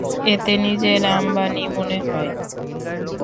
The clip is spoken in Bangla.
এতে নিজের আম্বানি মনে হয়।